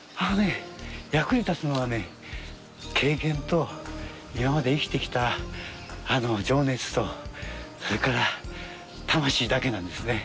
役に立つのは経験と今まで生きてきた情熱とそれから魂だけなんですね。